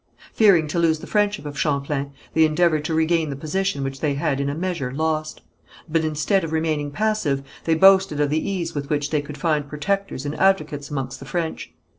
Fearing to lose the friendship of Champlain, they endeavoured to regain the position which they had in a measure lost; but instead of remaining passive, they boasted of the ease with which they could find protectors and advocates amongst the French.